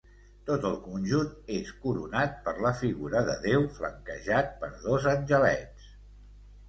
Tot el conjunt és coronat per la figura de Déu flanquejat per dos angelets.